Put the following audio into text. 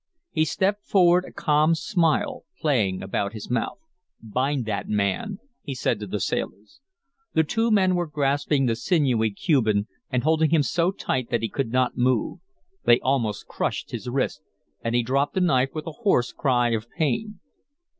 He stepped forward, a calm smile playing about his mouth. "Bind that man," he said to the sailors. The two men were grasping the sinewy Cuban and holding him so tight that he could not move. They almost crushed his wrists, and he dropped the knife with a hoarse cry of pain.